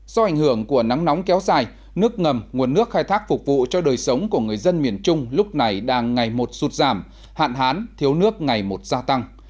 do ảnh hưởng của nắng nóng kéo dài nước ngầm nguồn nước khai thác phục vụ cho đời sống của người dân miền trung lúc này đang ngày một sụt giảm hạn hán thiếu nước ngày một gia tăng